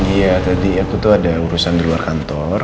iya tadi aku tuh ada urusan di luar kantor